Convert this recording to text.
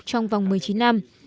trong vòng một mươi chín năm